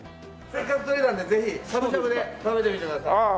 せっかくとれたんでぜひしゃぶしゃぶで食べてみてください。